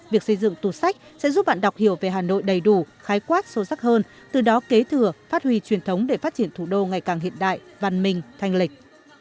việc xây dựng tủ sách sẽ giúp bạn đọc hiểu về hà nội đầy đủ khái quát sâu sắc hơn từ đó kế thừa phát huy truyền thống để phát triển thủ đô ngày càng hiện đại văn minh thanh lịch